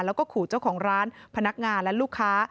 แล้วก็ขู่เจ้าของร้านพนักงานและลูกค้า